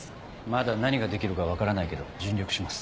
まだ何ができるか分からないけど尽力します。